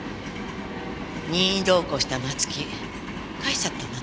任意同行した松木帰しちゃったんだって？